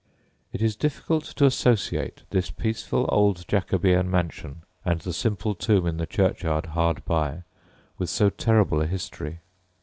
It is difficult to associate this peaceful old Jacobean mansion, and the simple tomb in the churchyard hard by, with so terrible a history.